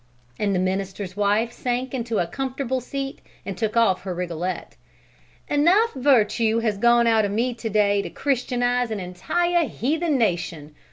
And the minister's wife sank into a comfortable seat and took off her rigolette. "Enough virtue has gone out of me to day to Christianize an entire heathen nation!